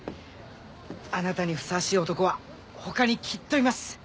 あなたにふさわしい男は他にきっといます。